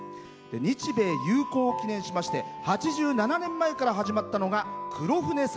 日米友好を記念しまして８７年前から始まったのが黒船祭。